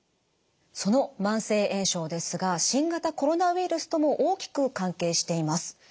その慢性炎症ですが新型コロナウイルスとも大きく関係しています。